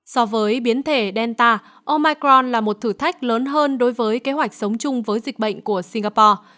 so với biến thể delta omaicron là một thử thách lớn hơn đối với kế hoạch sống chung với dịch bệnh của singapore